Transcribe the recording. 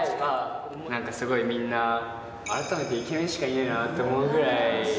なんかすごいみんな、改めてイケメンしかいねえなって思うぐらい。